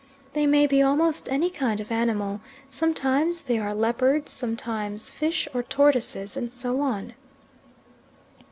They may be almost any kind of animal, sometimes they are leopards, sometimes fish, or tortoises, and so on.